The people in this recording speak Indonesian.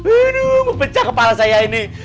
aduh mau pecah kepala saya ini